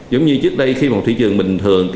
giống như trước đây khi một thị trường bình thường